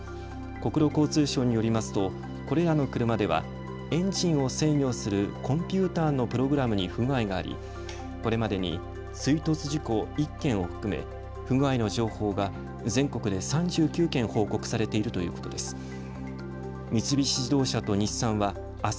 国土交通省によりますとこれらの車ではエンジンを制御するコンピューターのプログラムに不具合があり、これまでに追突事故１件を含め、不具合の情報が全国で３９件報告されているということです。